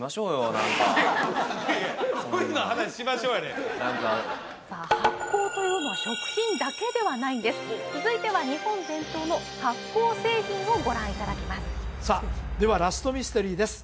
あれへんさあ発酵というのは食品だけではないんです続いては日本伝統の発酵製品をご覧いただきますさあではラストミステリーです